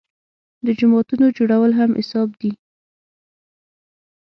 د جوماتونو جوړول هم حساب دي.